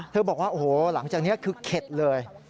บอกว่าโอ้โหหลังจากนี้คือเข็ดเลย